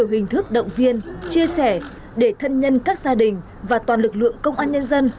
hình thức động viên chia sẻ để thân nhân các gia đình và toàn lực lượng công an nhân dân